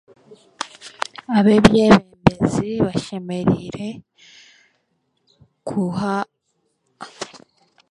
Abeebembezi bashemereire kuha